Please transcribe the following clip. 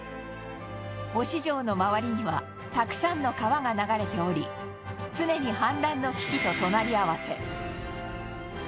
忍城の周りにはたくさんの川が流れており常に氾濫の危機と隣り合わせ